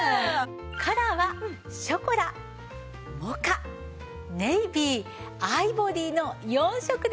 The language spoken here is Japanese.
カラーはショコラモカネイビーアイボリーの４色です。